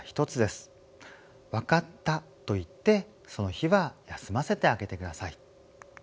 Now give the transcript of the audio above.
「わかった」と言ってその日は休ませてあげてください。